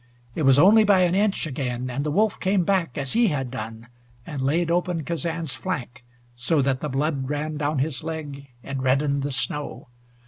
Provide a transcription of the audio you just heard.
It was only by an inch again, and the wolf came back, as he had done, and laid open Kazan's flank so that the blood ran down his leg and reddened the snow.